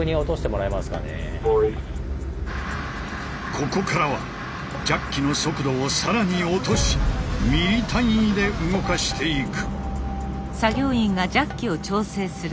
ここからはジャッキの速度を更に落としミリ単位で動かしていく。